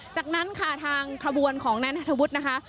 จากนั้นค่ะทางขบวนของนายนัทธวุฒินะคะ